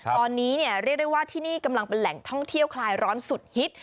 ตอนนี้เนี่ยเรียกได้ว่าที่นี่กำลังเป็นแหล่งท่องเที่ยวคลายร้อนสุดฮิต